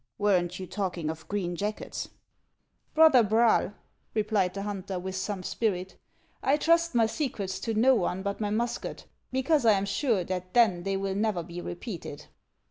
Weren't you talking of green jackets?" " Brother Braal," replied the hunter, with some spirit, '• I trust my secrets to no one but my musket, because I am sure that then they will never be repeated."